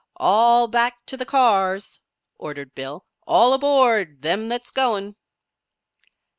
"All back to the cars!" ordered Bill. "All aboard them that's goin'!"